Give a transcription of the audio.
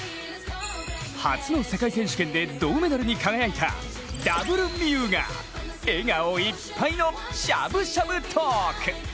初の世界選手権で銅メダルに輝いたダブルみゆうが笑顔いっぱいのしゃぶしゃぶトーク。